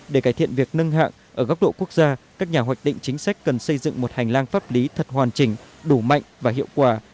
để cải thiện việc nâng hạng ở góc độ quốc gia các nhà hoạch định chính sách cần xây dựng một hành lang pháp lý thật hoàn chỉnh đủ mạnh và hiệu quả